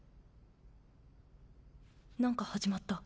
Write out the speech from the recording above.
なんか始まった。